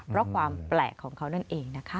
เพราะความแปลกของเขานั่นเองนะคะ